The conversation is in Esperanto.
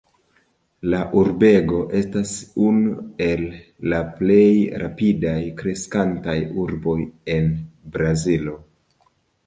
La urbego estas unu el la plej rapidaj kreskantaj urboj en Brazilo.